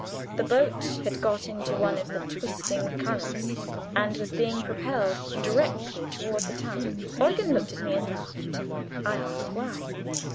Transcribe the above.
The boat had got into one of the twisting currents, and was being propelled directly toward the town. Eugen looked at me and laughed. I asked why.